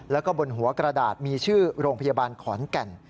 แล้วก็บนหัวกระดาษมีชื่อโรงพยาบาลขอนแก่น